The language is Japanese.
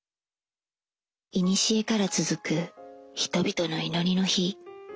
いにしえから続く人々の祈りの灯。